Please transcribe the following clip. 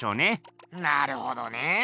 なるほどねえ。